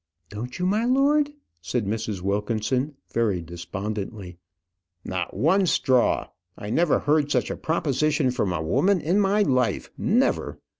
"Don't you, my lord?" said Mrs. Wilkinson, very despondently. "Not one straw. I never heard such a proposition from a woman in my life never.